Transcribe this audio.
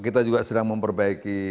kita juga sedang memperbaiki